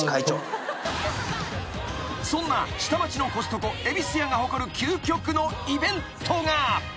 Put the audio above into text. ［そんな下町のコストコゑびすやが誇る究極のイベントが］